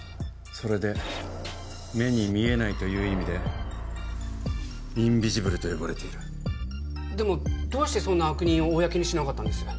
それで目に見えないという意味でインビジブルと呼ばれているでもどうしてそんな悪人を公にしなかったんです？